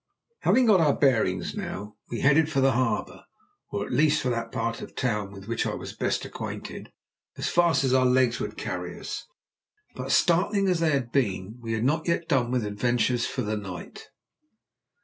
Having got our bearings now, we headed for the harbour, or at least for that part of the town with which I was best acquainted, as fast as our legs would carry us. But, startling as they had been, we had not yet done with adventures for the night.